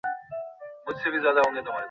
ঠ্যাঙাড়েদের কার্যপ্রণালী ছিল অদ্ভুত ধরনের।